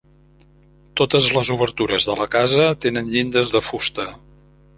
Totes les obertures de la casa tenen llindes de fusta.